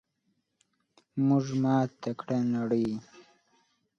موږ ماته کړه نړۍ!